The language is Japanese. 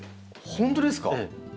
本当ですか？